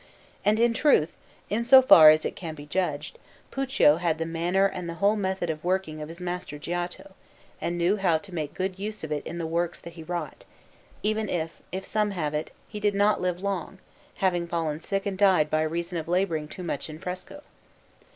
And in truth, in so far as it can be judged, Puccio had the manner and the whole method of working of his master Giotto, and knew how to make good use of it in the works that he wrought, even if, as some have it, he did not live long, having fallen sick and died by reason of labouring too much in fresco.